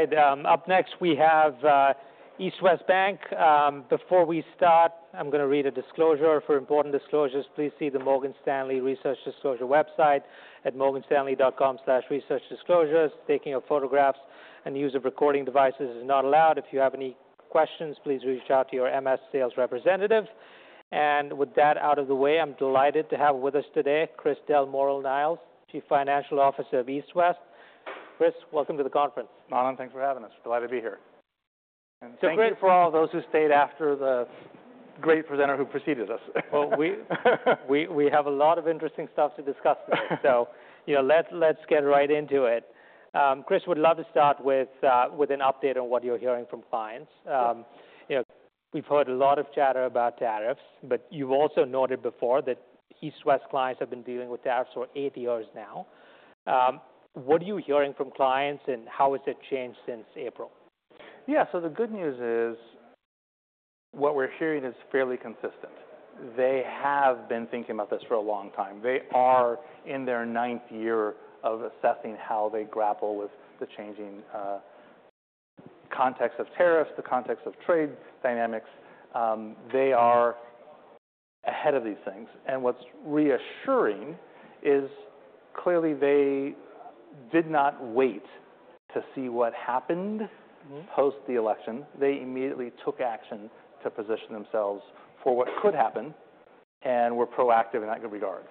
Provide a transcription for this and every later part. All right. Up next, we have East West Bank. Before we start, I'm going to read a disclosure. For important disclosures, please see the Morgan Stanley Research Disclosure website at morganstanley.com/researchdisclosures. Taking of photographs and use of recording devices is not allowed. If you have any questions, please reach out to your MS sales representative. With that out of the way, I'm delighted to have with us today Chris Del Moral-Niles, Chief Financial Officer of East West. Chris, welcome to the conference. [Madam], thanks for having us. Delighted to be here. Thank you for all those who stayed after the great presenter who preceded us. We have a lot of interesting stuff to discuss today. Let's get right into it. Chris, we'd love to start with an update on what you're hearing from clients. We've heard a lot of chatter about tariffs, but you've also noted before that East West clients have been dealing with tariffs for eight years now. What are you hearing from clients, and how has it changed since April? Yeah. The good news is what we're hearing is fairly consistent. They have been thinking about this for a long time. They are in their ninth year of assessing how they grapple with the changing context of tariffs, the context of trade dynamics. They are ahead of these things. What's reassuring is clearly they did not wait to see what happened post the election. They immediately took action to position themselves for what could happen and were proactive in that regard.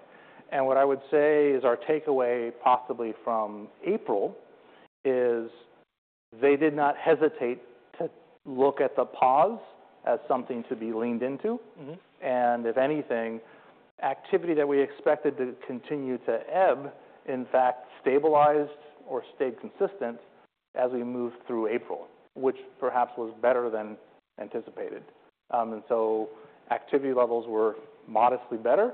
What I would say is our takeaway possibly from April is they did not hesitate to look at the pause as something to be leaned into. If anything, activity that we expected to continue to ebb, in fact, stabilized or stayed consistent as we moved through April, which perhaps was better than anticipated. Activity levels were modestly better,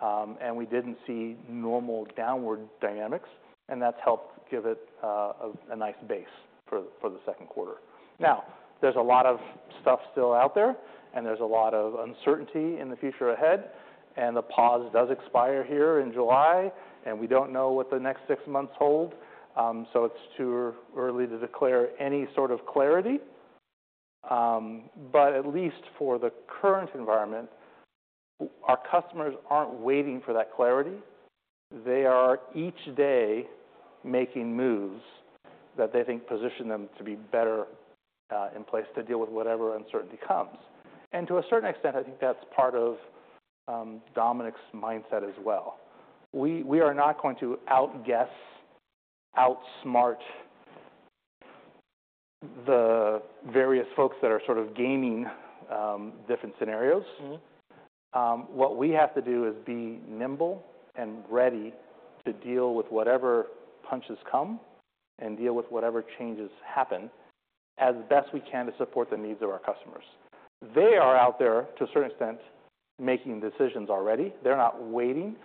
and we did not see normal downward dynamics, and that has helped give it a nice base for the second quarter. There is a lot of stuff still out there, and there is a lot of uncertainty in the future ahead. The pause does expire here in July, and we do not know what the next six months hold. It is too early to declare any sort of clarity. At least for the current environment, our customers are not waiting for that clarity. They are each day making moves that they think position them to be better in place to deal with whatever uncertainty comes. To a certain extent, I think that is part of Dominic's mindset as well. We are not going to outguess, outsmart the various folks that are sort of gaming different scenarios. What we have to do is be nimble and ready to deal with whatever punches come and deal with whatever changes happen as best we can to support the needs of our customers. They are out there, to a certain extent, making decisions already. They're not waiting.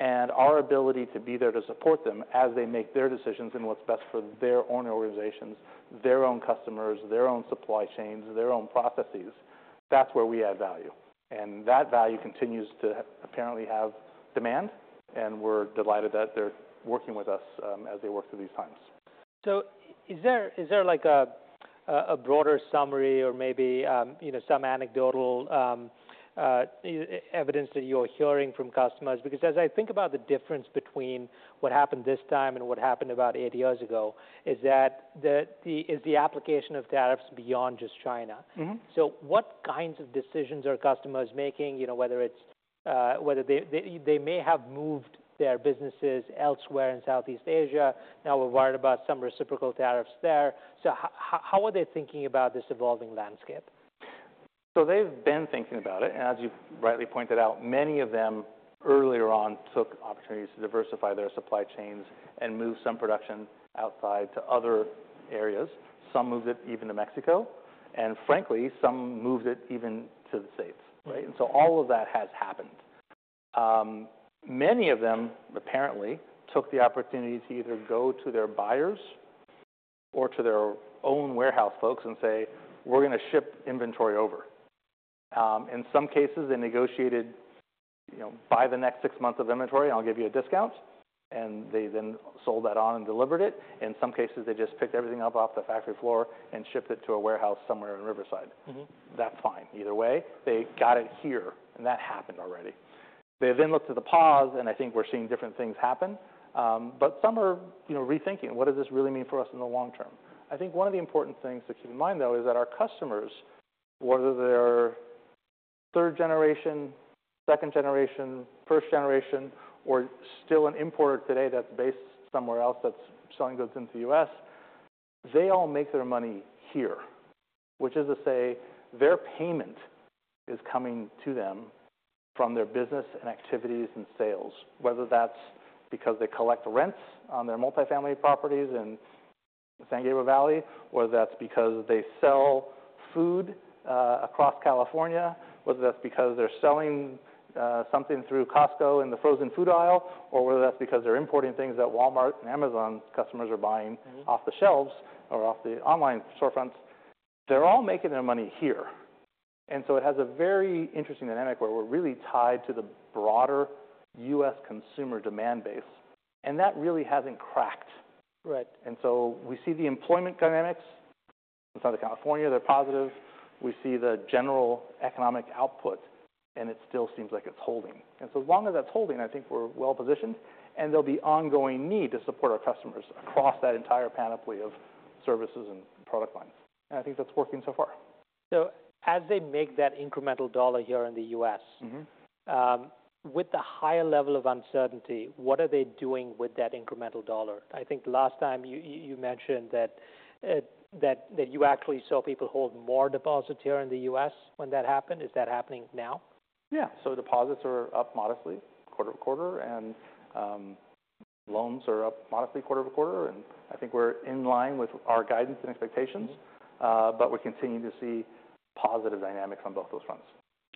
Our ability to be there to support them as they make their decisions in what's best for their own organizations, their own customers, their own supply chains, their own processes, that's where we add value. That value continues to apparently have demand, and we're delighted that they're working with us as they work through these times. Is there a broader summary or maybe some anecdotal evidence that you're hearing from customers? Because as I think about the difference between what happened this time and what happened about eight years ago, the application of tariffs is beyond just China. What kinds of decisions are customers making, whether they may have moved their businesses elsewhere in Southeast Asia, now we're worried about some reciprocal tariffs there? How are they thinking about this evolving landscape? They've been thinking about it. As you rightly pointed out, many of them earlier on took opportunities to diversify their supply chains and move some production outside to other areas. Some moved it even to Mexico. Frankly, some moved it even to the States. All of that has happened. Many of them, apparently, took the opportunity to either go to their buyers or to their own warehouse folks and say, "We're going to ship inventory over." In some cases, they negotiated, "Buy the next six months of inventory, and I'll give you a discount." They then sold that on and delivered it. In some cases, they just picked everything up off the factory floor and shipped it to a warehouse somewhere in Riverside. That's fine. Either way, they got it here, and that happened already. They then looked at the pause, and I think we're seeing different things happen. Some are rethinking, "What does this really mean for us in the long term?" I think one of the important things to keep in mind, though, is that our customers, whether they're third generation, second generation, first generation, or still an importer today that's based somewhere else that's selling goods in the U.S., they all make their money here, which is to say their payment is coming to them from their business and activities and sales, whether that's because they collect rents on their multifamily properties in San Gabriel Valley, whether that's because they sell food across California, whether that's because they're selling something through Costco in the frozen food aisle, or whether that's because they're importing things that Walmart and Amazon customers are buying off the shelves or off the online storefronts. They're all making their money here. It has a very interesting dynamic where we're really tied to the broader U.S. consumer demand base, and that really hasn't cracked. We see the employment dynamics in Southern California, they're positive. We see the general economic output, and it still seems like it's holding. As long as that's holding, I think we're well positioned, and there'll be ongoing need to support our customers across that entire panoply of services and product lines. I think that's working so far. As they make that incremental dollar here in the U.S., with the higher level of uncertainty, what are they doing with that incremental dollar? I think last time you mentioned that you actually saw people hold more deposits here in the U.S. when that happened. Is that happening now? Yeah. Deposits are up modestly quarter to quarter, and loans are up modestly quarter to quarter. I think we're in line with our guidance and expectations, but we're continuing to see positive dynamics on both those fronts.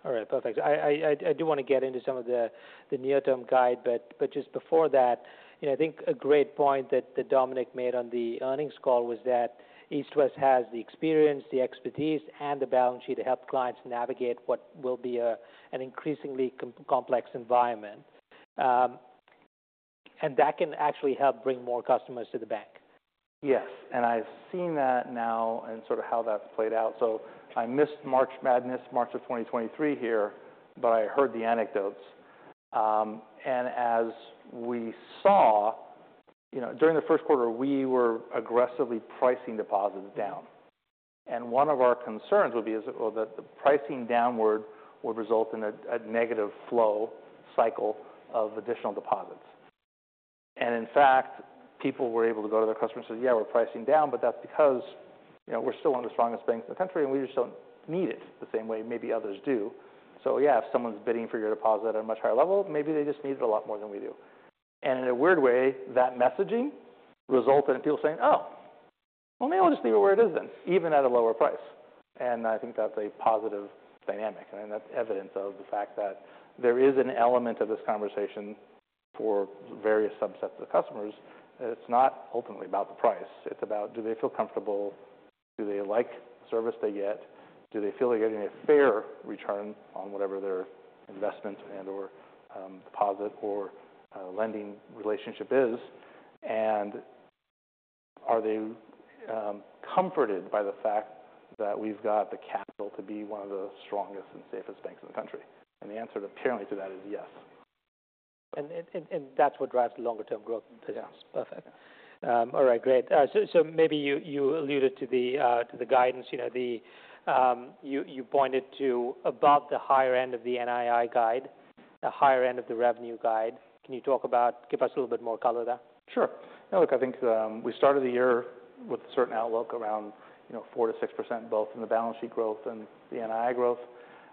All right. Perfect. I do want to get into some of the near-term guide, but just before that, I think a great point that Dominic made on the earnings call was that East West has the experience, the expertise, and the balance sheet to help clients navigate what will be an increasingly complex environment. That can actually help bring more customers to the bank. Yes. I have seen that now and sort of how that has played out. I missed March Madness, March of 2023 here, but I heard the anecdotes. As we saw during the first quarter, we were aggressively pricing deposits down. One of our concerns would be that the pricing downward would result in a negative flow cycle of additional deposits. In fact, people were able to go to their customers and say, "Yeah, we are pricing down, but that is because we are still one of the strongest banks in the country, and we just do not need it the same way maybe others do." If someone is bidding for your deposit at a much higher level, maybe they just need it a lot more than we do. In a weird way, that messaging resulted in people saying, "Oh, well, maybe we'll just leave it where it is then, even at a lower price." I think that's a positive dynamic. That's evidence of the fact that there is an element of this conversation for various subsets of customers. It's not ultimately about the price. It's about, do they feel comfortable? Do they like the service they get? Do they feel they're getting a fair return on whatever their investment and/or deposit or lending relationship is? Are they comforted by the fact that we've got the capital to be one of the strongest and safest banks in the country? The answer apparently to that is yes. That's what drives the longer-term growth. Yes. Perfect. All right. Great. Maybe you alluded to the guidance. You pointed to above the higher end of the NII guide, the higher end of the revenue guide. Can you talk about, give us a little bit more color there? Sure. I think we started the year with a certain outlook around 4%-6%, both in the balance sheet growth and the NII growth.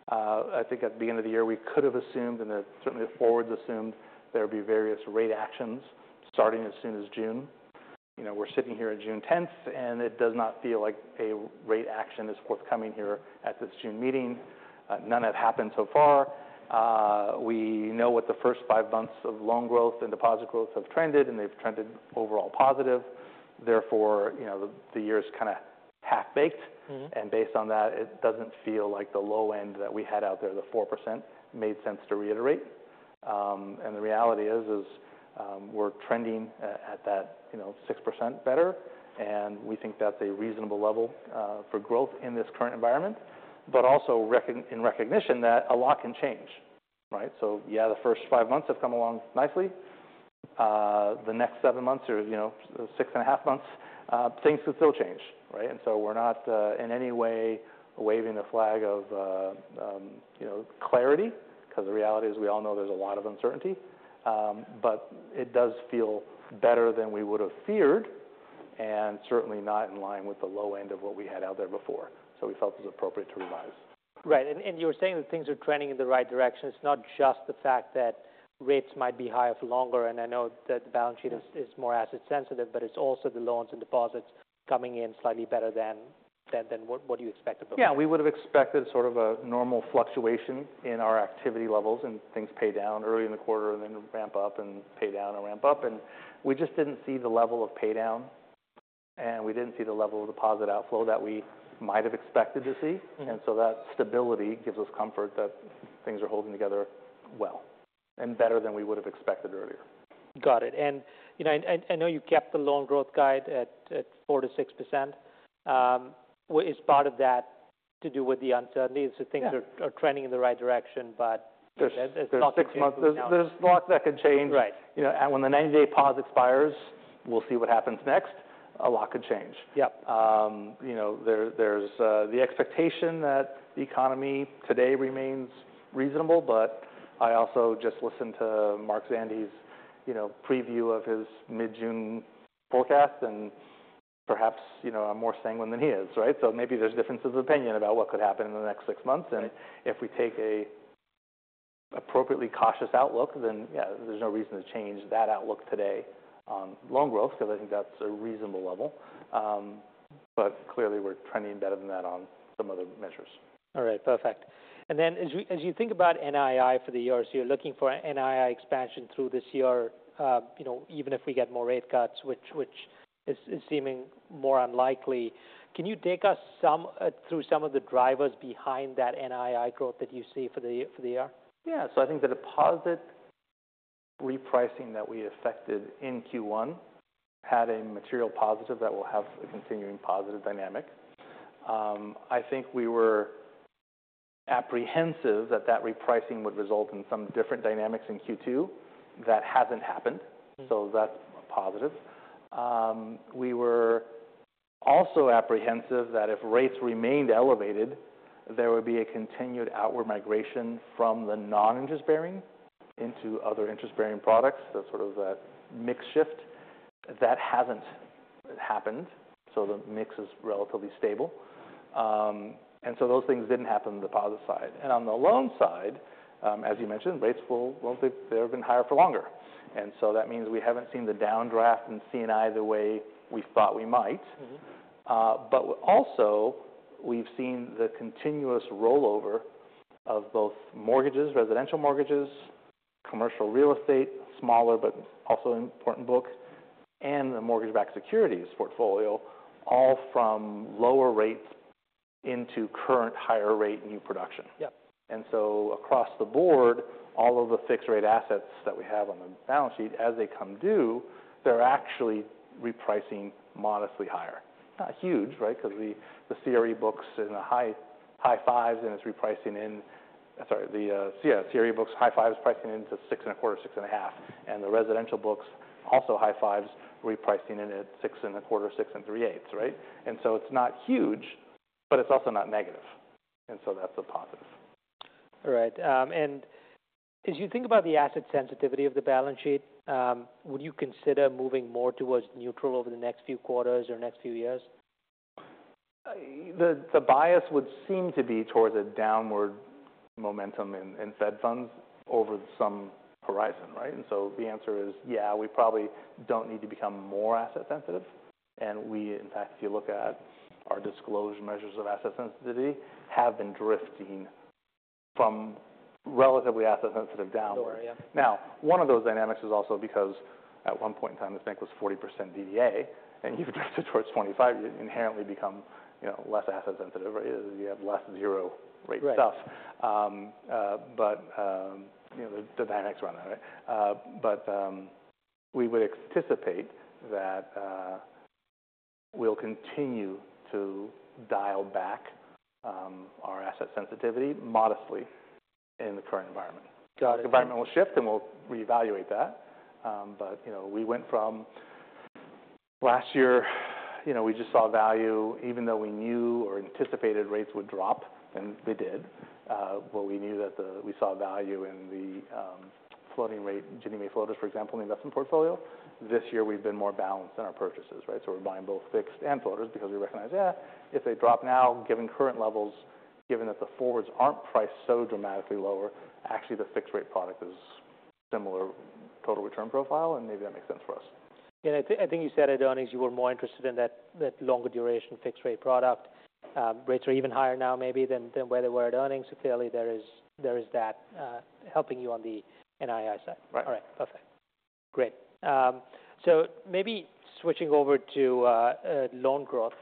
I think at the beginning of the year, we could have assumed, and certainly the forwards assumed, there would be various rate actions starting as soon as June. We're sitting here on June 10, and it does not feel like a rate action is forthcoming here at this June meeting. None have happened so far. We know what the first five months of loan growth and deposit growth have trended, and they've trended overall positive. Therefore, the year is kind of half-baked. Based on that, it does not feel like the low end that we had out there, the 4%, made sense to reiterate. The reality is we're trending at that 6% better, and we think that's a reasonable level for growth in this current environment, but also in recognition that a lot can change. Yeah, the first five months have come along nicely. The next seven months or six and a half months, things could still change. We are not in any way waving the flag of clarity because the reality is we all know there's a lot of uncertainty, but it does feel better than we would have feared and certainly not in line with the low end of what we had out there before. We felt it was appropriate to revise. Right. You were saying that things are trending in the right direction. It is not just the fact that rates might be higher for longer. I know that the balance sheet is more asset-sensitive, but it is also the loans and deposits coming in slightly better than what you expected. Yeah. We would have expected sort of a normal fluctuation in our activity levels and things pay down early in the quarter and then ramp up and pay down and ramp up. We just did not see the level of pay down, and we did not see the level of deposit outflow that we might have expected to see. That stability gives us comfort that things are holding together well and better than we would have expected earlier. Got it. I know you kept the loan growth guide at 4%-6%. Is part of that to do with the uncertainty? Things are trending in the right direction, but there's not. There's lots that can change. When the 90-day pause expires, we'll see what happens next. A lot could change. There's the expectation that the economy today remains reasonable, but I also just listened to Mark Zandi's preview of his mid-June forecast, and perhaps I'm more sanguine than he is. Maybe there's differences of opinion about what could happen in the next six months. If we take an appropriately cautious outlook, then yeah, there's no reason to change that outlook today on loan growth because I think that's a reasonable level. Clearly, we're trending better than that on some other measures. All right. Perfect. As you think about NII for the year, you're looking for NII expansion through this year, even if we get more rate cuts, which is seeming more unlikely. Can you take us through some of the drivers behind that NII growth that you see for the year? Yeah. I think the deposit repricing that we effected in Q1 had a material positive that will have a continuing positive dynamic. I think we were apprehensive that that repricing would result in some different dynamics in Q2. That has not happened. That is positive. We were also apprehensive that if rates remained elevated, there would be a continued outward migration from the non-interest-bearing into other interest-bearing products, that sort of mix shift. That has not happened. The mix is relatively stable. Those things did not happen on the deposit side. On the loan side, as you mentioned, rates will likely have been higher for longer. That means we have not seen the downdraft in C&I the way we thought we might. We have seen the continuous rollover of both mortgages, residential mortgages, commercial real estate, smaller, but also important book, and the mortgage-backed securities portfolio, all from lower rates into current higher rate new production. Across the board, all of the fixed-rate assets that we have on the balance sheet, as they come due, are actually repricing modestly higher. Not huge, right? Because the CRE books in the high fives and is repricing in, sorry, the CRE books, high fives pricing into 6.25, 6.5. The residential books, also high fives, repricing in at 6.25, 6.375, right? It is not huge, but it is also not negative. That is a positive. All right. As you think about the asset sensitivity of the balance sheet, would you consider moving more towards neutral over the next few quarters or next few years? The bias would seem to be towards a downward momentum in Fed funds over some horizon, right? The answer is, yeah, we probably do not need to become more asset sensitive. If you look at our disclosure measures of asset sensitivity, we have been drifting from relatively asset sensitive downward. One of those dynamics is also because at one point in time, this bank was 40% DDA, and you have drifted towards 25, you inherently become less asset sensitive, right? You have less zero rate stuff. The dynamics run that way. We would anticipate that we will continue to dial back our asset sensitivity modestly in the current environment. The environment will shift, and we will reevaluate that. We went from last year, we just saw value, even though we knew or anticipated rates would drop, and they did, but we knew that we saw value in the floating rate, Ginnie Mae floaters, for example, in the investment portfolio. This year, we've been more balanced in our purchases, right? So we're buying both fixed and floaters because we recognize, yeah, if they drop now, given current levels, given that the forwards aren't priced so dramatically lower, actually the fixed-rate product is similar total return profile, and maybe that makes sense for us. I think you said at earnings you were more interested in that longer duration fixed-rate product. Rates are even higher now maybe than where they were at earnings. Clearly, there is that helping you on the NII side. Right. All right. Perfect. Great. Maybe switching over to loan growth,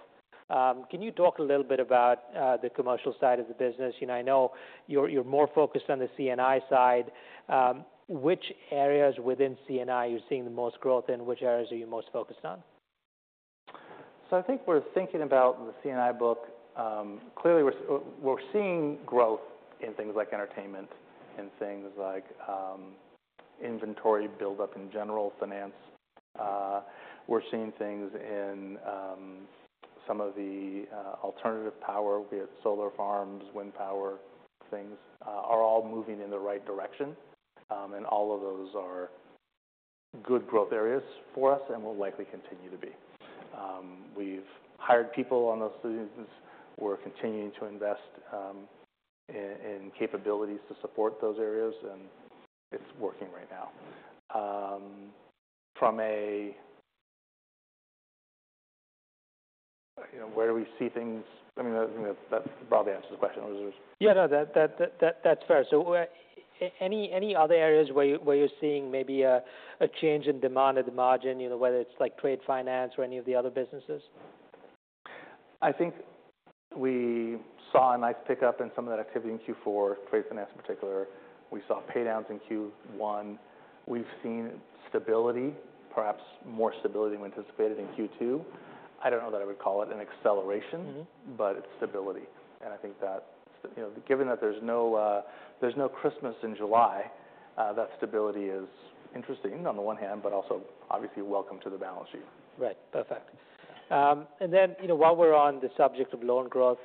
can you talk a little bit about the commercial side of the business? I know you're more focused on the C&I side. Which areas within C&I are you seeing the most growth in? Which areas are you most focused on? I think we're thinking about the C&I book. Clearly, we're seeing growth in things like entertainment and things like inventory buildup in general finance. We're seeing things in some of the alternative power, be it solar farms, wind power, things are all moving in the right direction. All of those are good growth areas for us and will likely continue to be. We've hired people on those things. We're continuing to invest in capabilities to support those areas, and it's working right now. From a where do we see things? I mean, that probably answers the question. Yeah. No, that's fair. Any other areas where you're seeing maybe a change in demand at the margin, whether it's like trade finance or any of the other businesses? I think we saw a nice pickup in some of that activity in Q4, trade finance in particular. We saw pay downs in Q1. We've seen stability, perhaps more stability than we anticipated in Q2. I don't know that I would call it an acceleration, but it's stability. I think that given that there's no Christmas in July, that stability is interesting on the one hand, but also obviously welcome to the balance sheet. Right. Perfect. While we are on the subject of loan growth,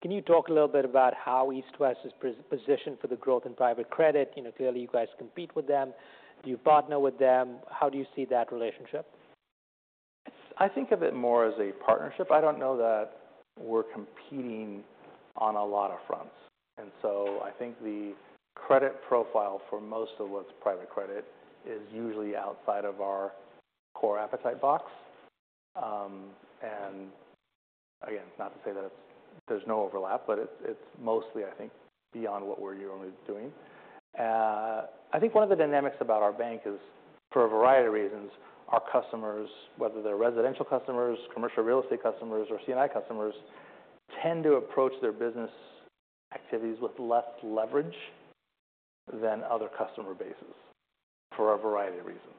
can you talk a little bit about how East West is positioned for the growth in private credit? Clearly, you guys compete with them. Do you partner with them? How do you see that relationship? I think of it more as a partnership. I do not know that we are competing on a lot of fronts. I think the credit profile for most of what is private credit is usually outside of our core appetite box. Again, not to say that there is no overlap, but it is mostly, I think, beyond what we are normally doing. I think one of the dynamics about our bank is for a variety of reasons, our customers, whether they are residential customers, commercial real estate customers, or C&I customers, tend to approach their business activities with less leverage than other customer bases for a variety of reasons.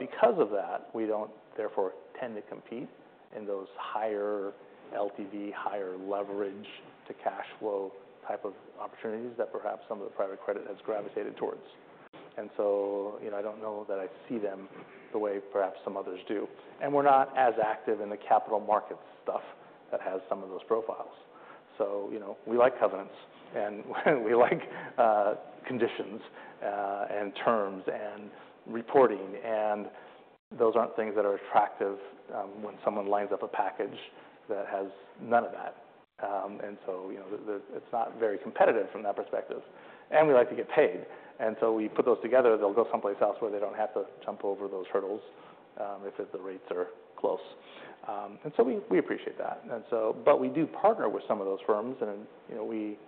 Because of that, we do not therefore tend to compete in those higher LTV, higher leverage to cash flow type of opportunities that perhaps some of the private credit has gravitated towards. I do not know that I see them the way perhaps some others do. We are not as active in the capital markets stuff that has some of those profiles. We like covenants, and we like conditions and terms and reporting. Those are not things that are attractive when someone lines up a package that has none of that. It is not very competitive from that perspective. We like to get paid. We put those together. They will go someplace else where they do not have to jump over those hurdles if the rates are close. We appreciate that. We do partner with some of those firms, and we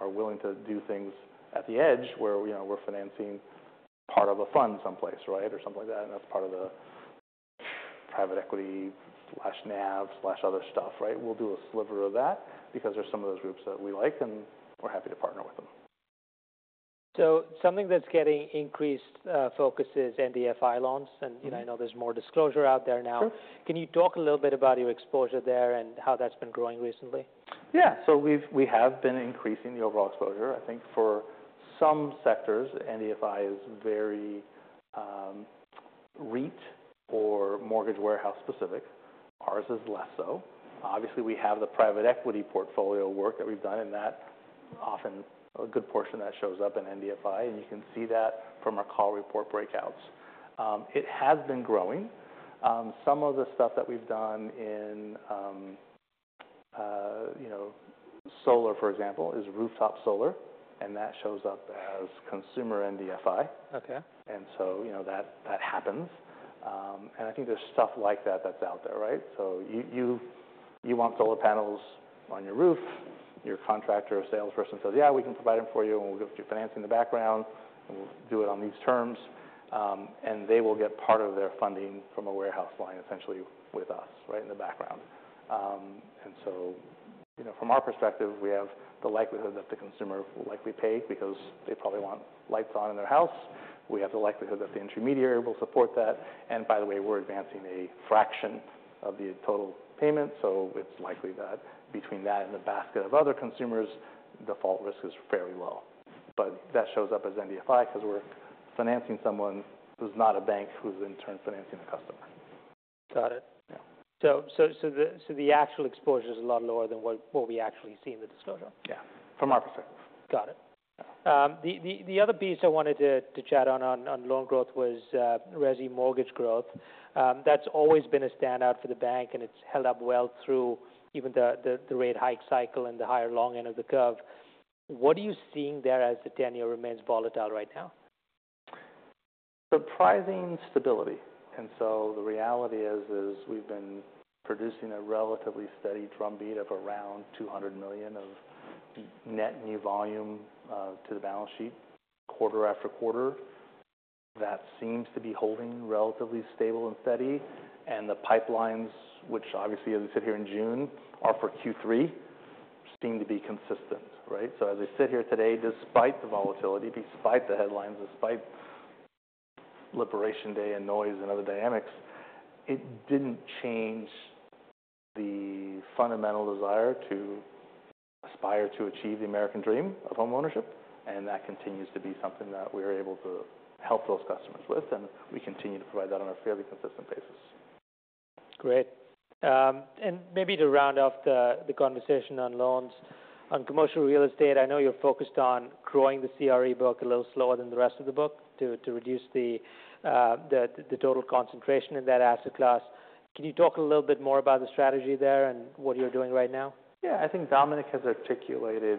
are willing to do things at the edge where we are financing part of a fund someplace, right, or something like that. That is part of the private equity/NAV/other stuff, right? We'll do a sliver of that because there's some of those groups that we like, and we're happy to partner with them. Something that's getting increased focus is NDFI loans. I know there's more disclosure out there now. Can you talk a little bit about your exposure there and how that's been growing recently? Yeah. We have been increasing the overall exposure. I think for some sectors, NDFI is very REIT or mortgage warehouse specific. Ours is less so. Obviously, we have the private equity portfolio work that we've done in that. Often a good portion of that shows up in NDFI, and you can see that from our call report breakouts. It has been growing. Some of the stuff that we've done in solar, for example, is rooftop solar, and that shows up as consumer NDFI. That happens. I think there's stuff like that that's out there, right? You want solar panels on your roof. Your contractor or salesperson says, "Yeah, we can provide them for you, and we'll get you financing in the background. We'll do it on these terms." They will get part of their funding from a warehouse line, essentially with us, right, in the background. From our perspective, we have the likelihood that the consumer will likely pay because they probably want lights on in their house. We have the likelihood that the intermediary will support that. By the way, we're advancing a fraction of the total payment. It is likely that between that and the basket of other consumers, default risk is fairly low. That shows up as NDFI because we're financing someone who's not a bank who's in turn financing a customer. Got it. So the actual exposure is a lot lower than what we actually see in the disclosure? Yeah. From our perspective. Got it. The other piece I wanted to chat on loan growth was Resi mortgage growth. That's always been a standout for the bank, and it's held up well through even the rate hike cycle and the higher long end of the curve. What are you seeing there as the tenure remains volatile right now? Surprising stability. The reality is we have been producing a relatively steady drumbeat of around $200 million of net new volume to the balance sheet quarter after quarter. That seems to be holding relatively stable and steady. The pipelines, which obviously, as we sit here in June, are for Q3, seem to be consistent, right? As we sit here today, despite the volatility, despite the headlines, despite Liberation Day and noise and other dynamics, it did not change the fundamental desire to aspire to achieve the American dream of homeownership. That continues to be something that we are able to help those customers with. We continue to provide that on a fairly consistent basis. Great. Maybe to round off the conversation on loans, on commercial real estate, I know you're focused on growing the CRE book a little slower than the rest of the book to reduce the total concentration in that asset class. Can you talk a little bit more about the strategy there and what you're doing right now? Yeah. I think Dominic has articulated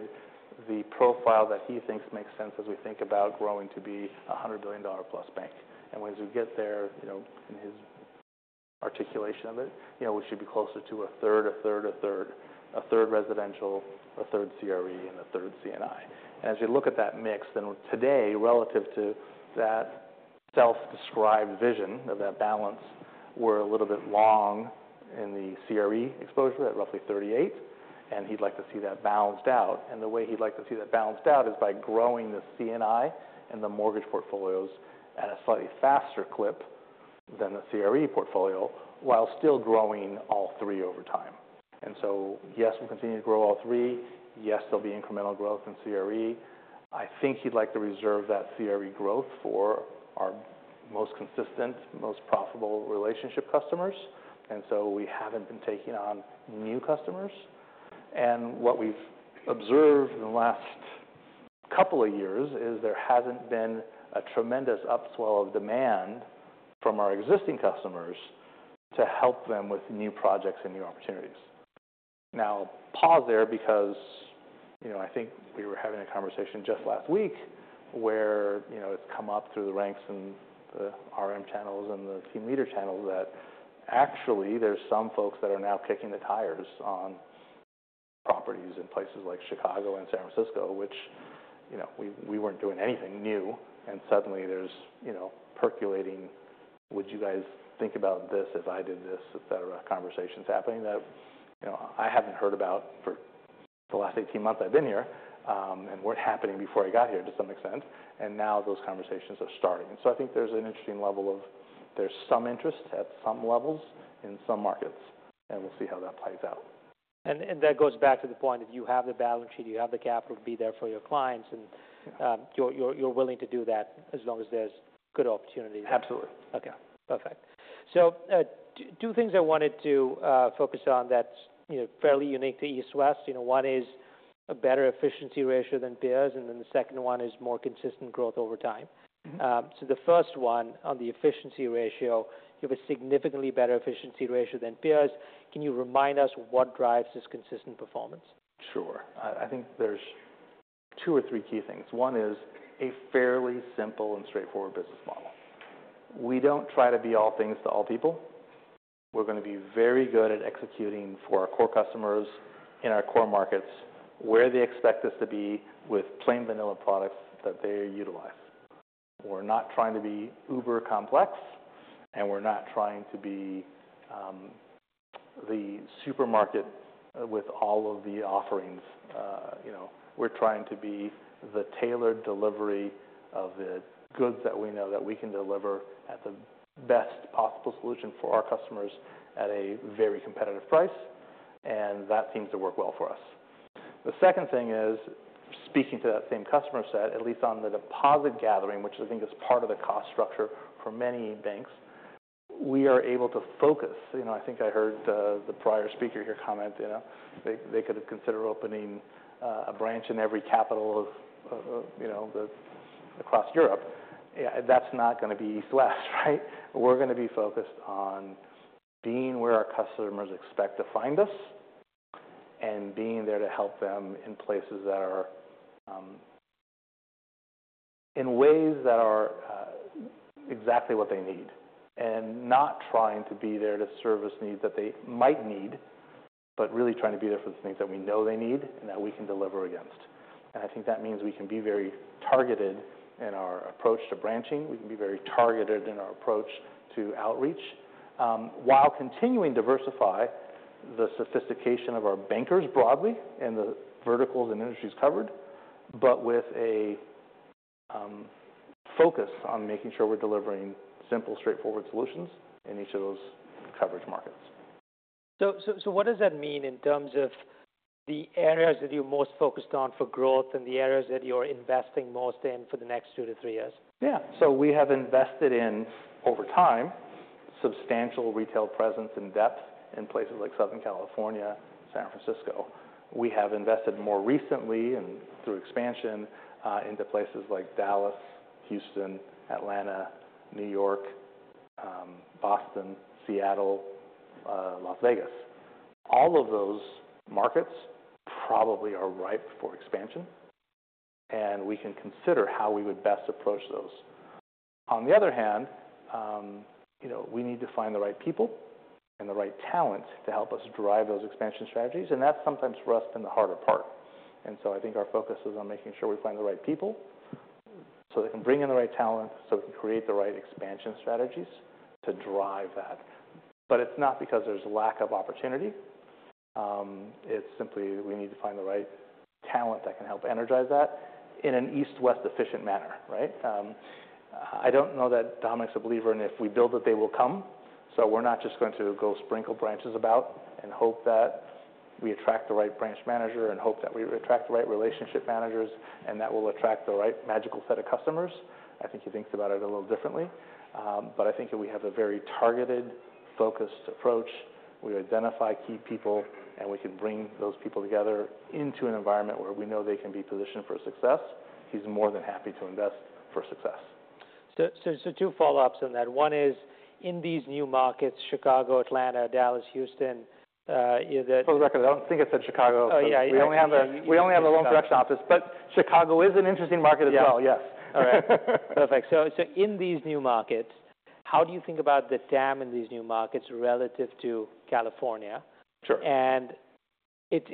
the profile that he thinks makes sense as we think about growing to be a $100 billion plus bank. As we get there, in his articulation of it, we should be closer to a third, a third, a third—a third residential, a third CRE, and a third C&I. As we look at that mix, then today, relative to that self-described vision of that balance, we are a little bit long in the CRE exposure at roughly 38%. He would like to see that balanced out. The way he would like to see that balanced out is by growing the C&I and the mortgage portfolios at a slightly faster clip than the CRE portfolio while still growing all three over time. Yes, we will continue to grow all three. Yes, there will be incremental growth in CRE. I think he'd like to reserve that CRE growth for our most consistent, most profitable relationship customers. We haven't been taking on new customers. What we've observed in the last couple of years is there hasn't been a tremendous upswell of demand from our existing customers to help them with new projects and new opportunities. I will pause there because I think we were having a conversation just last week where it has come up through the ranks and the RM channels and the team leader channels that actually there are some folks that are now kicking the tires on properties in places like Chicago and San Francisco, which we were not doing anything new. Suddenly there is percolating, "Would you guys think about this if I did this?" etc. Conversations happening that I haven't heard about for the last 18 months I've been here and weren't happening before I got here to some extent. Now those conversations are starting. I think there's an interesting level of there's some interest at some levels in some markets. We'll see how that plays out. That goes back to the point of you have the balance sheet, you have the capital to be there for your clients, and you're willing to do that as long as there's good opportunity. Absolutely. Okay. Perfect. Two things I wanted to focus on that are fairly unique to East West. One is a better efficiency ratio than peers, and then the second one is more consistent growth over time. The first one on the efficiency ratio, you have a significantly better efficiency ratio than peers. Can you remind us what drives this consistent performance? Sure. I think there's two or three key things. One is a fairly simple and straightforward business model. We don't try to be all things to all people. We're going to be very good at executing for our core customers in our core markets where they expect us to be with plain vanilla products that they utilize. We're not trying to be uber complex, and we're not trying to be the supermarket with all of the offerings. We're trying to be the tailored delivery of the goods that we know that we can deliver at the best possible solution for our customers at a very competitive price. That seems to work well for us. The second thing is speaking to that same customer set, at least on the deposit gathering, which I think is part of the cost structure for many banks, we are able to focus. I think I heard the prior speaker here comment they could consider opening a branch in every capital across Europe. That's not going to be East West, right? We're going to be focused on being where our customers expect to find us and being there to help them in places that are in ways that are exactly what they need and not trying to be there to service needs that they might need, but really trying to be there for the things that we know they need and that we can deliver against. I think that means we can be very targeted in our approach to branching. We can be very targeted in our approach to outreach while continuing to diversify the sophistication of our bankers broadly and the verticals and industries covered, but with a focus on making sure we're delivering simple, straightforward solutions in each of those coverage markets. What does that mean in terms of the areas that you're most focused on for growth and the areas that you're investing most in for the next two to three years? Yeah. So we have invested in, over time, substantial retail presence and depth in places like Southern California, San Francisco. We have invested more recently and through expansion into places like Dallas, Houston, Atlanta, New York, Boston, Seattle, Las Vegas. All of those markets probably are ripe for expansion, and we can consider how we would best approach those. On the other hand, we need to find the right people and the right talent to help us drive those expansion strategies. That is sometimes for us been the harder part. I think our focus is on making sure we find the right people so they can bring in the right talent so we can create the right expansion strategies to drive that. It is not because there is lack of opportunity. It's simply we need to find the right talent that can help energize that in an East West efficient manner, right? I don't know that Dominic's a believer in if we build that they will come. We are not just going to go sprinkle branches about and hope that we attract the right branch manager and hope that we attract the right relationship managers and that will attract the right magical set of customers. I think he thinks about it a little differently. I think if we have a very targeted, focused approach, we identify key people, and we can bring those people together into an environment where we know they can be positioned for success, he's more than happy to invest for success. Two follow-ups on that. One is in these new markets, Chicago, Atlanta, Dallas, Houston. For the record, I don't think I said Chicago. We only have a loan correction office, but Chicago is an interesting market as well. Yes. All right. Perfect. In these new markets, how do you think about the TAM in these new markets relative to California? Sure. It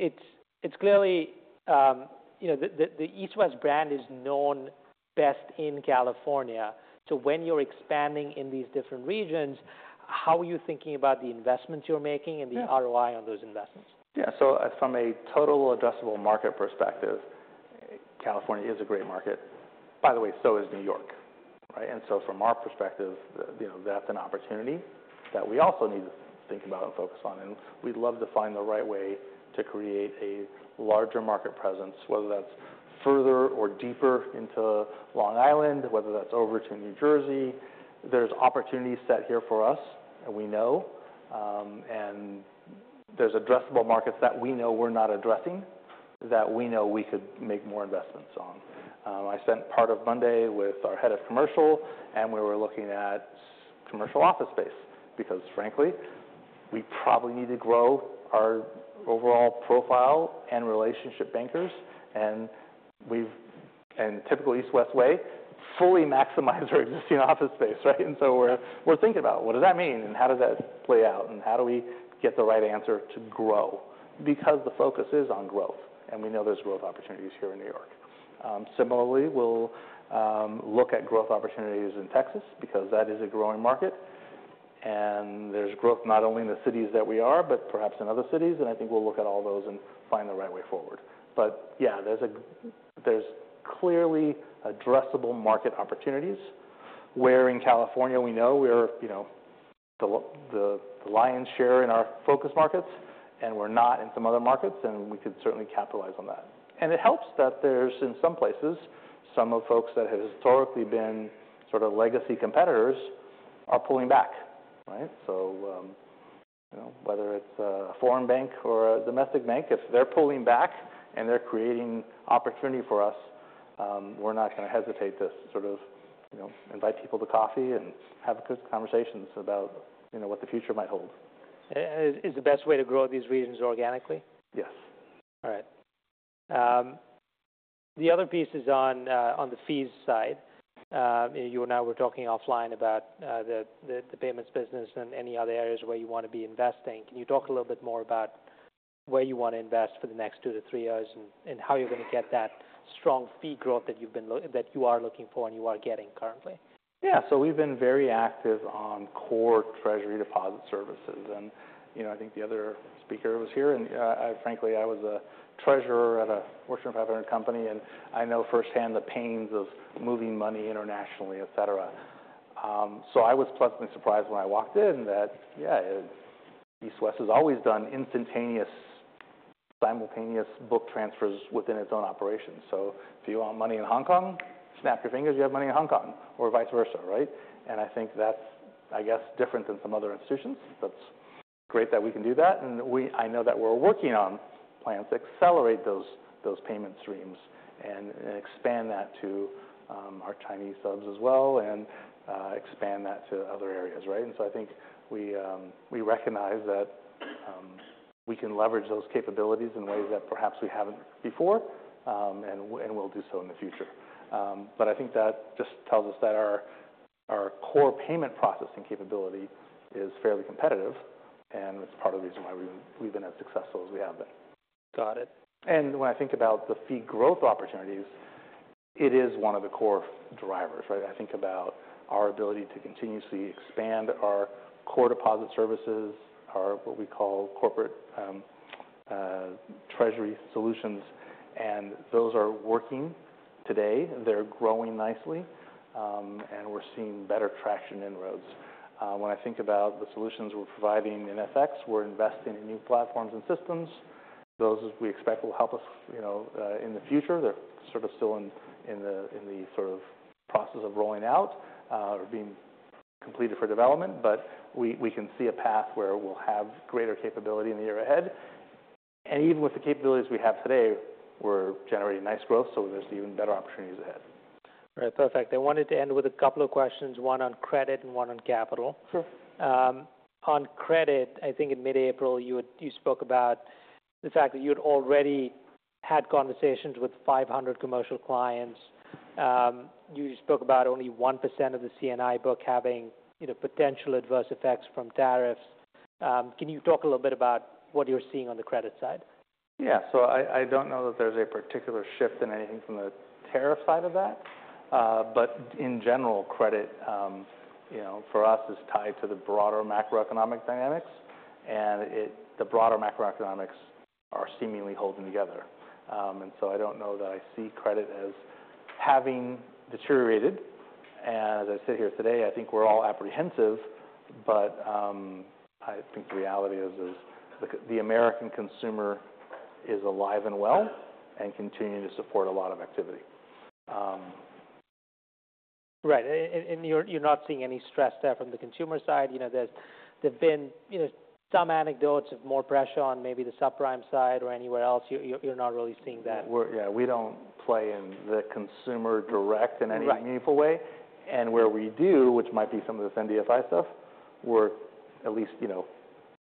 is clearly the East West brand is known best in California. When you are expanding in these different regions, how are you thinking about the investments you are making and the ROI on those investments? Yeah. From a total addressable market perspective, California is a great market. By the way, so is New York, right? From our perspective, that's an opportunity that we also need to think about and focus on. We'd love to find the right way to create a larger market presence, whether that's further or deeper into Long Island, whether that's over to New Jersey. There is opportunity set here for us, and we know. There are addressable markets that we know we're not addressing that we know we could make more investments on. I spent part of Monday with our head of commercial, and we were looking at commercial office space because, frankly, we probably need to grow our overall profile and relationship bankers and, in typical East West way, fully maximize our existing office space, right? We are thinking about what does that mean and how does that play out and how do we get the right answer to grow because the focus is on growth and we know there are growth opportunities here in New York. Similarly, we will look at growth opportunities in Texas because that is a growing market. There is growth not only in the cities that we are, but perhaps in other cities. I think we will look at all those and find the right way forward. Yeah, there are clearly addressable market opportunities where in California we know we are the lion's share in our focus markets and we are not in some other markets, and we could certainly capitalize on that. It helps that in some places, some of the folks that have historically been sort of legacy competitors are pulling back, right? Whether it's a foreign bank or a domestic bank, if they're pulling back and they're creating opportunity for us, we're not going to hesitate to sort of invite people to coffee and have good conversations about what the future might hold. Is the best way to grow these regions organically? Yes. All right. The other piece is on the fees side. You and I were talking offline about the payments business and any other areas where you want to be investing. Can you talk a little bit more about where you want to invest for the next two to three years and how you're going to get that strong fee growth that you are looking for and you are getting currently? Yeah. We have been very active on core treasury deposit services. I think the other speaker was here. Frankly, I was a treasurer at a Fortune 500 company, and I know firsthand the pains of moving money internationally, etc. I was pleasantly surprised when I walked in that, yeah, East West has always done instantaneous, simultaneous book transfers within its own operations. If you want money in Hong Kong, snap your fingers, you have money in Hong Kong or vice versa, right? I think that is, I guess, different than some other institutions. That is great that we can do that. I know that we are working on plans to accelerate those payment streams and expand that to our Chinese subs as well and expand that to other areas, right? I think we recognize that we can leverage those capabilities in ways that perhaps we have not before and we will do so in the future. I think that just tells us that our core payment processing capability is fairly competitive, and it is part of the reason why we have been as successful as we have been. Got it. When I think about the fee growth opportunities, it is one of the core drivers, right? I think about our ability to continuously expand our core deposit services, our what we call corporate treasury solutions, and those are working today. They're growing nicely, and we're seeing better traction in roads. When I think about the solutions we're providing in FX, we're investing in new platforms and systems. Those we expect will help us in the future. They're sort of still in the sort of process of rolling out or being completed for development, but we can see a path where we'll have greater capability in the year ahead. Even with the capabilities we have today, we're generating nice growth, so there's even better opportunities ahead. All right. Perfect. I wanted to end with a couple of questions, one on credit and one on capital. Sure. On credit, I think in mid-April, you spoke about the fact that you had already had conversations with 500 commercial clients. You spoke about only 1% of the C&I book having potential adverse effects from tariffs. Can you talk a little bit about what you're seeing on the credit side? Yeah. I do not know that there is a particular shift in anything from the tariff side of that. In general, credit for us is tied to the broader macroeconomic dynamics, and the broader macroeconomics are seemingly holding together. I do not know that I see credit as having deteriorated. As I sit here today, I think we are all apprehensive, but I think the reality is the American consumer is alive and well and continuing to support a lot of activity. Right. You're not seeing any stress there from the consumer side. There have been some anecdotes of more pressure on maybe the subprime side or anywhere else. You're not really seeing that. Yeah. We do not play in the consumer direct in any meaningful way. Where we do, which might be some of this NDFI stuff, we are at least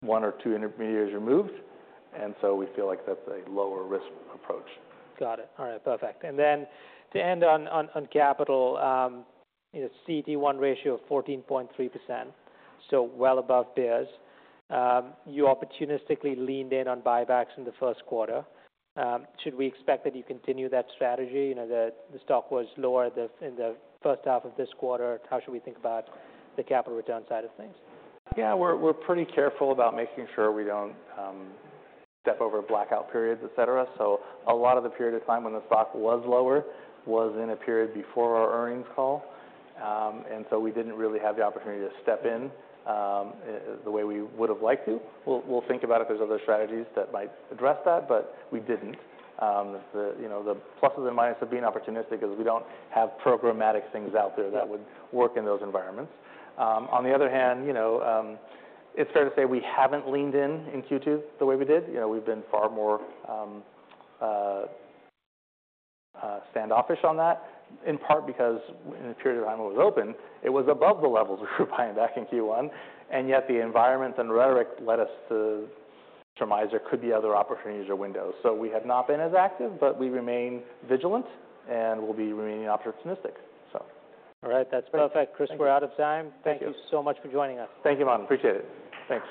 one or two intermediaries removed. We feel like that is a lower risk approach. Got it. All right. Perfect. To end on capital, CET1 ratio of 14.3%, so well above peers. You opportunistically leaned in on buybacks in the first quarter. Should we expect that you continue that strategy? The stock was lower in the first half of this quarter. How should we think about the capital return side of things? Yeah. We're pretty careful about making sure we don't step over blackout periods, etc. So a lot of the period of time when the stock was lower was in a period before our earnings call. We didn't really have the opportunity to step in the way we would have liked to. We'll think about if there's other strategies that might address that, but we didn't. The pluses and minuses of being opportunistic is we don't have programmatic things out there that would work in those environments. On the other hand, it's fair to say we haven't leaned in in Q2 the way we did. We've been far more standoffish on that, in part because in the period of time it was open, it was above the levels we were buying back in Q1. The environment and rhetoric led us to surmise there could be other opportunities or windows. We have not been as active, but we remain vigilant and will be remaining opportunistic. All right. That's perfect. Thank you. Chris, we're out of time. Thank you so much for joining us. Thank you, Madam. Appreciate it. Thanks.